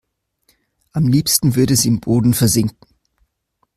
Am liebsten würde sie im Boden versinken.